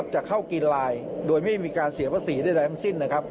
จะเข้ากินลายโดยไม่มีการเสียภาษีได้แรงสิ้น